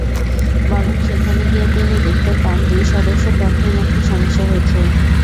বরং সেখানে গিয়ে তিনি দেখতে পান, দুই সদস্য প্রার্থীর মধ্যে সমস্যা হয়েছে।